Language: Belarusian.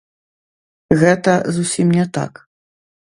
Гэта зусім не так.